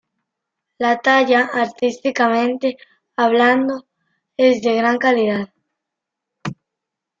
La talla, artísticamente hablando, es de gran calidad.